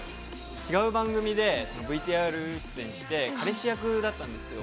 違う番組でＶＴＲ出演して、彼氏役だったんですよ。